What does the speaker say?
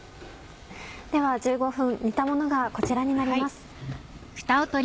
では１５分煮たものがこちらになります。